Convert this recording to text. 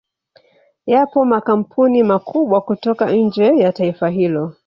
Yapo makampuni makubwa kutoka nje ya taifa hilo